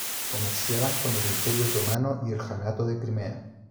Comerciaban con el Imperio otomano y el Janato de Crimea.